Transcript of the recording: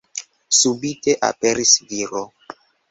Subite aperis viro.